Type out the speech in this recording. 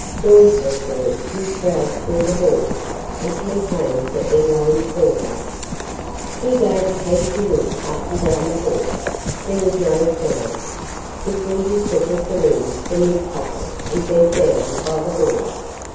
Noiselessly he prowled through the halls until he came to Elaine's doorway. He gave a hasty look up and down the hall. There was no sound. Quickly he took a syringe from his pocket and bent down by the door.